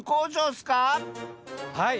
はい。